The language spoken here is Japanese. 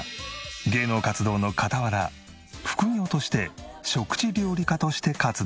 芸能活動の傍ら副業として食治料理家として活動。